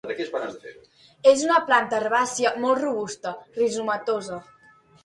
És una planta herbàcia molt robusta, rizomatosa.